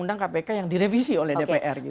undang kpk yang direvisi oleh dpr